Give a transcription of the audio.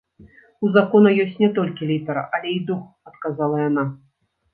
У закона ёсць не толькі літара, але і дух, адказала яна.